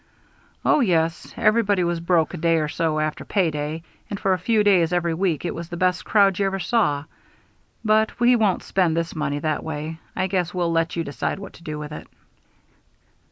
"Oh, yes. Everybody was broke a day or so after pay day, and for a few days every week it was the best crowd you ever saw. But we won't spend this money that way. I guess we'll let you decide what to do with it."